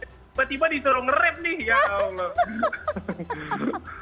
tiba tiba disuruh nge rap nih ya allah